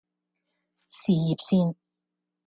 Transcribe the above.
事業線